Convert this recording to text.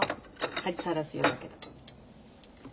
恥さらすようだけど。